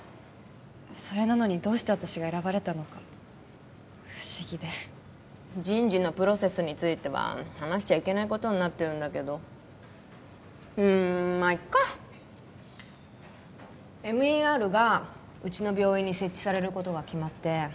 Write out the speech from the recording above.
それなのにどうして私が選ばれたのか不思議で人事のプロセスについては話しちゃいけないことになってるんだけどうんまあいっかＭＥＲがうちの病院に設置されることが決まって研修医を一名出さなければならなくなった時